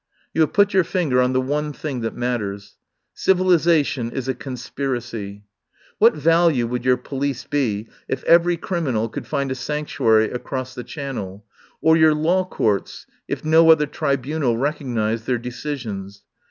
"You have put your finger on the one thing that matters. Civilisation is a conspiracy. What value would your police be if every criminal could find a sanctuary across the Channel, or your law courts if no other tri bunal recognised their decisions?